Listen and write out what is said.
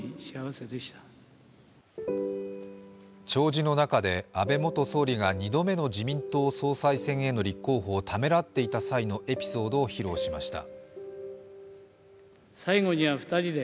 弔辞の中で安倍元総理が２度目の自民党総裁選への立候補をためらっていた際のエピソードを披露しました。